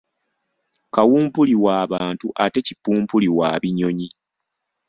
Kawumpuli wa bantu ate Kipumpuli wa binyonyi.